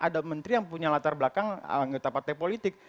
ada menteri yang punya latar belakang anggota partai politik